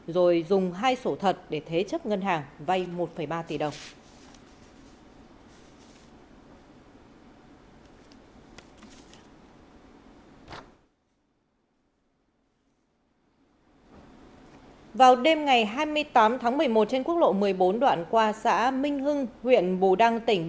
rồi dùng hai sổ thật để thế chấp ngân hàng vay một ba tỷ đồng